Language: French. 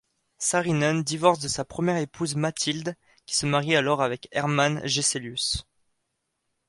Saarinen divorce de sa première épouse Mathilde qui se marie alors avec Herman Gesellius.